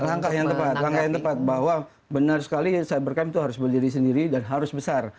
langkah yang tepat bahwa benar sekali cybercam itu harus berdiri sendiri dan harus besar